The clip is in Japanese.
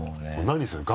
何するの？